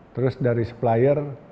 terus dari supplier